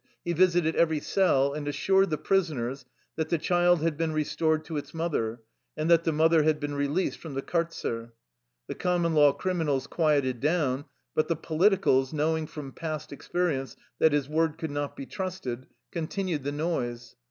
He visited every cell and assured the prisoners that the child had been restored to its mother, and that the mother had been released from the kartzer. The com mon law criminals quieted down, but the politi cals, knowing from past experience that his word could not be trusted, continued the noise.